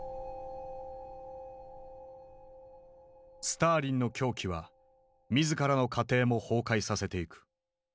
スターリンの狂気は自らの家庭も崩壊させていく。